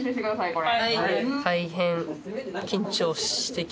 これ。